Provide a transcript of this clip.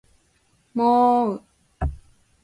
もーう